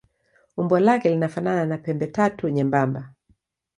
Umbo lake linafanana na pembetatu nyembamba.